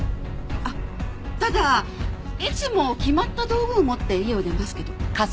あっただいつも決まった道具を持って家を出ますけど。